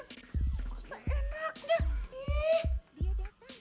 gak usah enak deh